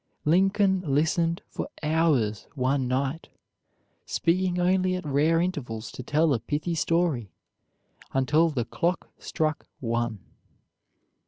Lincoln listened for hours one night, speaking only at rare intervals to tell a pithy story, until the clock struck one.